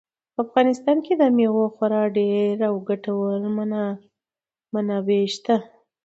په افغانستان کې د مېوو خورا ډېرې او ګټورې منابع شته.